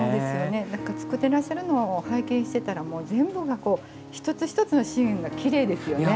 何か造ってらっしゃるのを拝見してたらもう全部が一つ一つのシーンがきれいですよね。